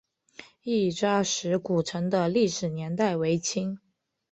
亦扎石古城的历史年代为清。